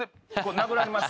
殴られます。